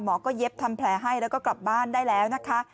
หมอก็เย็บทำแผลให้แล้วก็กลับบ้านได้แล้วนะคะ